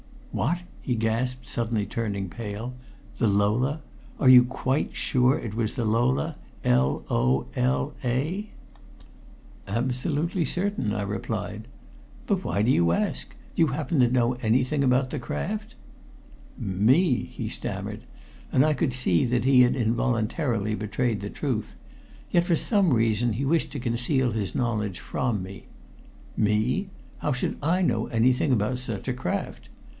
"What!" he gasped, suddenly turning pale. "The Lola? Are you quite sure it was the Lola L O L A?" "Absolutely certain," I replied. "But why do you ask? Do you happen to know anything about the craft?" "Me!" he stammered, and I could see that he had involuntarily betrayed the truth, yet for some reason he wished to conceal his knowledge from me. "Me! How should I know anything about such a craft?